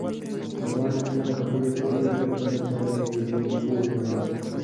تاوان مې د خپلې پوهې د زیاتوالي لپاره یو پور وباله.